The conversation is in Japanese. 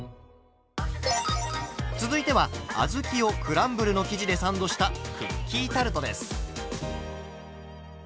続いてはあずきをクランブルの生地でサンドしたクッキータルトです。